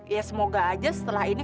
ya semoga aja setelah ini